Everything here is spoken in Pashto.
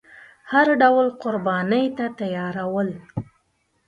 هر ډول قربانۍ ته تیار ول.